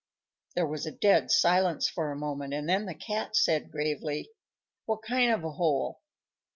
There was a dead silence for a moment, and then the Cat said gravely, "What kind of a hole?"